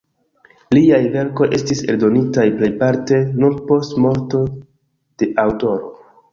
Liaj verkoj estis eldonitaj plejparte nur post morto de aŭtoro.